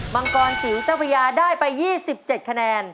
มังกรจิ๋วเจ้าพญาได้ไป๒๗คะแนน